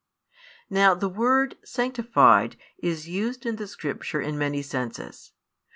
Now the word "sanctified" is used in the Scripture in many senses.